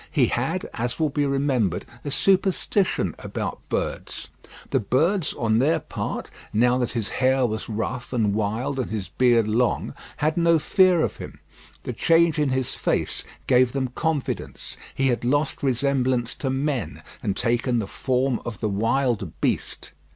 He had, as will be remembered, a superstition about birds. The birds on their part now that his hair was rough and wild and his beard long had no fear of him. The change in his face gave them confidence; he had lost resemblance to men, and taken the form of the wild beast.